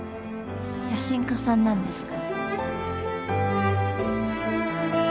写真家さんなんですか？